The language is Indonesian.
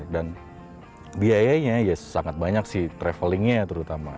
dan biayanya ya sangat banyak sih travelingnya terutama